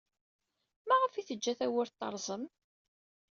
Maɣef ay teǧǧa tawwurt terẓem?